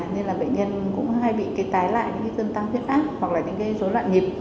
nên bệnh nhân cũng hay bị tái lại tương tăng huyết áp hoặc là số loạn nhịp